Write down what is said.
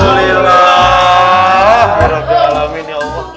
harap di alamin ya allah